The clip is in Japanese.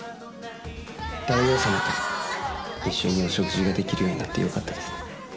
大王様と一緒にお食事できるようになってよかったですね。